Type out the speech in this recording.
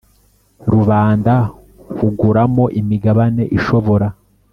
Rubanda kuguramo imigabane ishobora